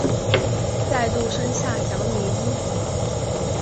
再度生下小女婴